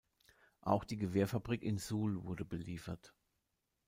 Auch die Gewehrfabrik in Suhl wurde beliefert.